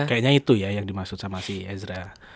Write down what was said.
kayaknya itu ya yang dimaksud sama si ezra